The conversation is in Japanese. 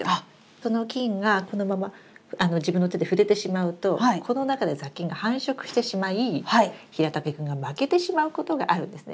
その菌がこのまま自分の手で触れてしまうとこの中で雑菌が繁殖してしまいヒラタケ君が負けてしまうことがあるんですね。